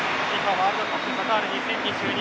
ワールドカップカタール２０２２